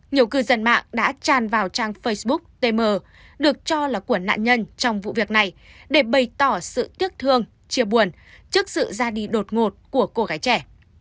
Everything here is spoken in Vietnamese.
nhiều cư dân mạng đã tràn vào trang facebook tm được cho là của nạn nhân trong vụ việc này để bày tỏ sự tiếc thương chia buồn trước sự ra đi đột ngột của cô gái trẻ